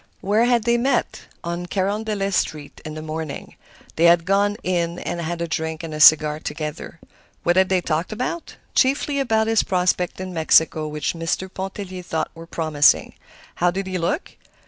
Where had they met? On Carondelet Street, in the morning. They had gone "in" and had a drink and a cigar together. What had they talked about? Chiefly about his prospects in Mexico, which Mr. Pontellier thought were promising. How did he look?